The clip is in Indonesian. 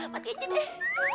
mati aja deh